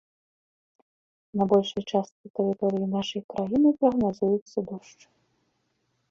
На большай частцы тэрыторыі нашай краіны прагназуецца дождж.